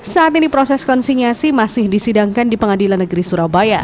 saat ini proses konsinyasi masih disidangkan di pengadilan negeri surabaya